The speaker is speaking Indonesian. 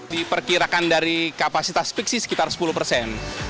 diperkirakan dari kapasitas fiksi sekitar sepuluh persen